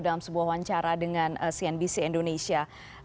dalam sebuah wawancara dengan cnbc indonesia